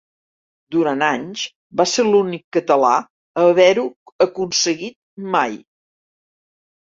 Durant anys va ser l'únic català a haver-ho aconseguit mai.